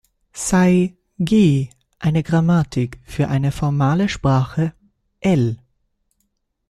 Sei "G" eine Grammatik für eine formale Sprache "L".